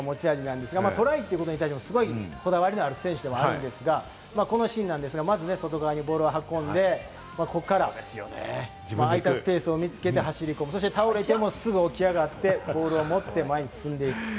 トライということに対しても、こだわりのある選手なんですが、このシーンなんですが、まず外側にボールを運んでここから空いているスペースを見つけて、倒れてもすぐ起き上がってボールを持って前に進んでいく。